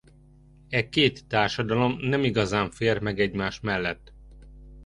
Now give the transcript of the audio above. E két társadalom nem igazán fér meg egymás mellett.